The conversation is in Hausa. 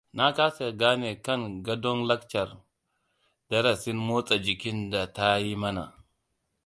Na kasa gane kan gadon lakcar darasin motsa jikin da ta yi mana.